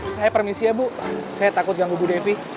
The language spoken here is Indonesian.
saya permisi ya bu saya takut ganggu bu devi